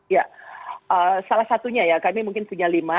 ya salah satunya ya kami mungkin punya lima